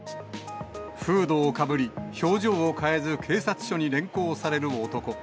フードをかぶり、表情を変えず警察署に連行される男。